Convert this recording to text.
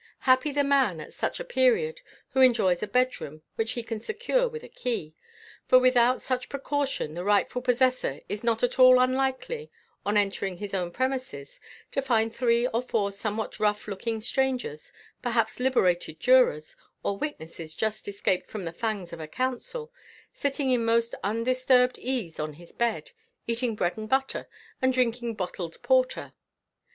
Happy the man at such a period, who enjoys a bed room which he can secure with a key for without such precaution the rightful possessor is not at all unlikely, on entering his own premises, to find three or four somewhat rough looking strangers, perhaps liberated jurors, or witnesses just escaped from the fangs of a counsel, sitting in most undisturbed ease on his bed, eating bread and butter, and drinking bottled porter.